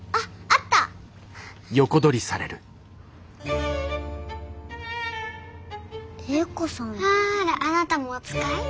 あらあなたもおつかい？